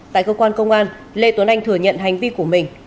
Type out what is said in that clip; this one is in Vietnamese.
tại cơ quan công an lê tuấn anh thừa nhận hành vi của mình